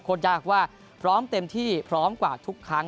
ยากว่าพร้อมเต็มที่พร้อมกว่าทุกครั้ง